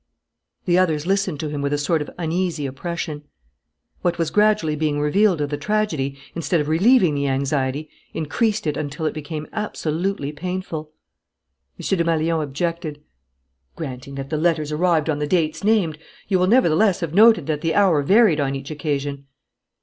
The others listened to him with a sort of uneasy oppression. What was gradually being revealed of the tragedy, instead of relieving the anxiety, increased it until it became absolutely painful. M. Desmalions objected: "Granting that the letters arrived on the dates named, you will nevertheless have noted that the hour varied on each occasion.